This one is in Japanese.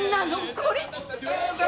これ！